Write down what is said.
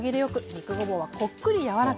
肉ごぼうはこっくり柔らか。